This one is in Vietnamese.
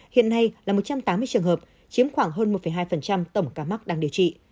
hiện nay là một trăm tám mươi trường hợp chiếm khoảng hơn một hai tổng ca mắc đang điều trị